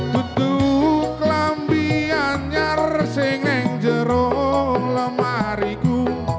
tutuk lambi anjar seneng jeruk lemari ku